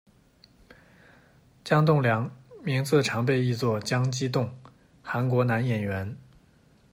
姜栋梁，名字常被译作姜基栋，韩国男演员。